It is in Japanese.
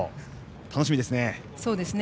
楽しみですね。